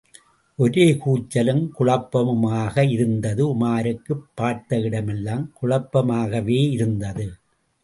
ஒரே கூச்சலும் குழப்பமுமாக இருந்தது, உமாருக்குப் பார்த்த இடமெல்லாம் குழப்பமாகவேயிருந்தது.